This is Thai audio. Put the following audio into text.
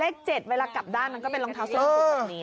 เล็ก๗เวลากลับด้านมันมันก็เป็นลองเท้าเศร้าถุกซะเนีย